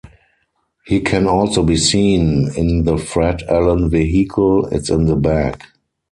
He can also be seen in the Fred Allen vehicle, It's in the Bag!